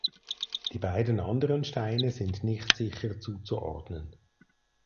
Die beiden anderen Steine sind nicht sicher zuzuordnen.